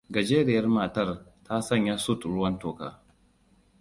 Gajeriyar matar ta sanya suit ruwan toka.